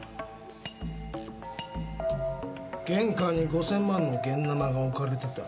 玄関に５０００万の現ナマが置かれてた。